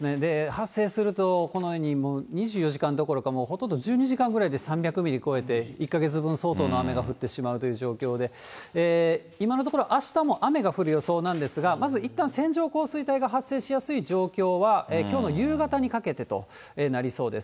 発生するとこのように２４時間どころかほとんど１２時間ぐらいで３００ミリ超えて、１か月分相当の雨が降ってしまうという状況で、今のところ、あしたも雨が降る予想なんですが、まずいったん線状降水帯が発生しやすい状況は、きょうの夕方にかけてとなりそうです。